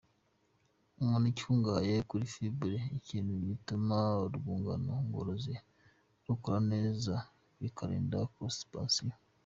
Umuneke ukungahaye kuri fibre, ibintu bituma urwungano ngogozi rukora neza bikarinda constipation.